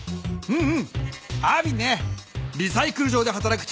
うん。